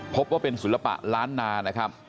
พบว่าเป็นศิลปะล้านนานะครับ